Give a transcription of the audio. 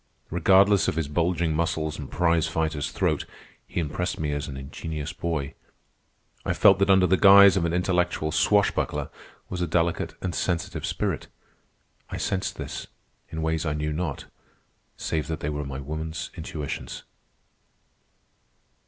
Regardless of his bulging muscles and prize fighter's throat, he impressed me as an ingenuous boy. I felt that under the guise of an intellectual swashbuckler was a delicate and sensitive spirit. I sensed this, in ways I knew not, save that they were my woman's intuitions.